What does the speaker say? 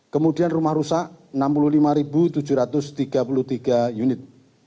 kemudian rumah rusak enam puluh lima tujuh ratus tiga puluh tiga unit